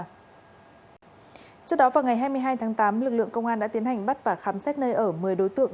trước đó vào ngày hai mươi hai tháng tám lực lượng công an đã tiến hành bắt và khám xét nơi ở một mươi đối tượng